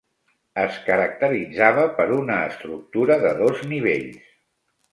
Es caracteritzava per una estructura de dos nivells.